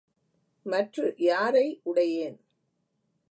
மற்று யாரை உடையேன்?